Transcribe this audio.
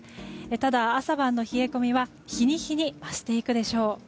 ただ朝晩の冷え込みは日に日に増していくでしょう。